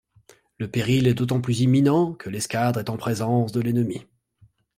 Le péril est d'autant plus imminent, que l'escadre est en présence de l'ennemi.